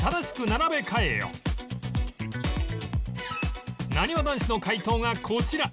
なにわ男子の解答がこちら